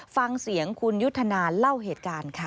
ฟังเสียงคุณยุทธนาเล่าเหตุการณ์ค่ะ